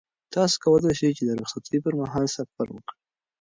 تاسو کولای شئ چې د رخصتۍ پر مهال سفر وکړئ.